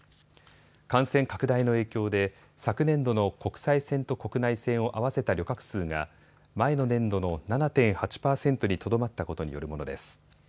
感染拡大の影響で昨年度の国際線と国内線を合わせた旅客数が前の年度の７．８％にとどまったことによるものです。